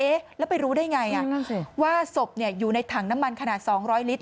แล้วไปรู้ได้ไงว่าศพอยู่ในถังน้ำมันขนาด๒๐๐ลิตร